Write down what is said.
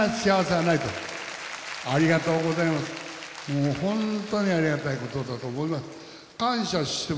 もう本当にありがたいことだと思います。